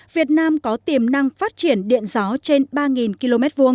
việt nam có tiềm năng phát triển điện gió trên ba km hai